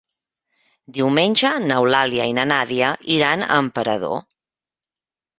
Diumenge n'Eulàlia i na Nàdia iran a Emperador.